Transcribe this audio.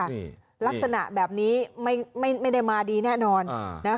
นี่ลักษณะแบบนี้ไม่ไม่ไม่ได้มาดีแน่นอนอ่านะคะ